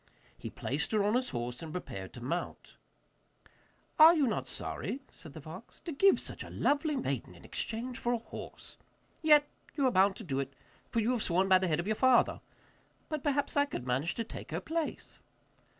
He placed her on his horse and prepared to mount. 'Are you not sorry,' said the fox, 'to give such a lovely maiden in exchange for a horse? Yet you are bound to do it, for you have sworn by the head of your father. But perhaps I could manage to take her place.